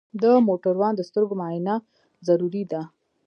د موټروان د سترګو معاینه ضروري ده.